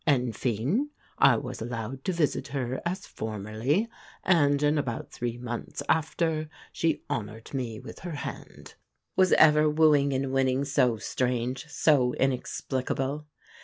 Enfin, I was allowed to visit her as formerly, and in about three months after she honoured me with her hand." Was ever wooing and winning so strange, so inexplicable?